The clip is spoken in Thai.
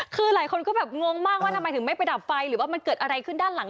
คือหลายคนก็แบบงงมากว่าทำไมถึงไม่ไปดับไฟหรือว่ามันเกิดอะไรขึ้นด้านหลัง